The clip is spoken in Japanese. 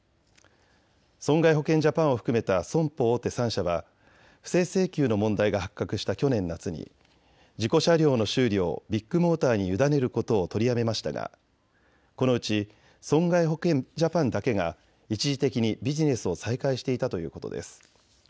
損害保険ジャパンを含めた損保大手３社は不正請求の問題が発覚した去年夏に事故車両の修理をビッグモーターに委ねることを取りやめましたがこのうち損害保険ジャパンだけが一時的にビジネスを再開していたということです。